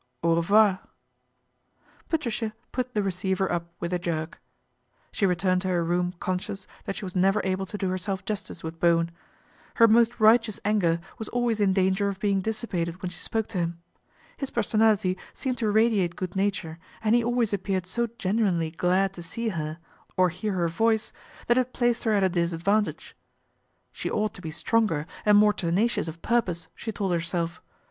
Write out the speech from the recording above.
" Au revoir." Patricia put the receiver up with a jerk. She returned to her room conscious that she was never able to do herself justice with Bowen. Hei most righteous anger was always in danger oi being dissipated when she spoke to him. His personality seemed to radiate good nature, and lit always appeared so genuinely glad to see her, oi hear her voice that it placed her at a disadvantage khe ought to be stronger and more tenacious o:| INTERVENTION OF AUNT ADELAIDE 91 irpose, she told herself.